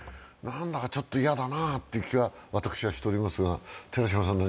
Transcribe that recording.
何だかちょっと嫌だなあという気が私はしておりますが。